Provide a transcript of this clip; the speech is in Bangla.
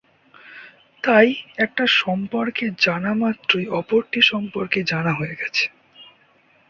তাই একটা সম্পর্কে জানা মাত্রই অপরটি সম্পর্কে জানা হয়ে গেছে।